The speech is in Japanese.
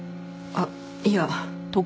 あっいや。